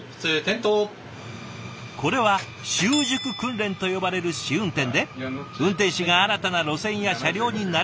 これは習熟訓練と呼ばれる試運転で運転士が新たな路線や車両に慣れるためのもの。